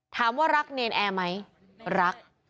ถามว่ารักเนรนแอร์ไหมรัก